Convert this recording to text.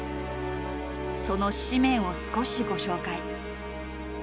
その誌面を少しご紹介。